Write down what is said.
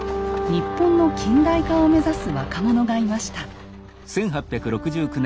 日本の近代化を目指す若者がいました。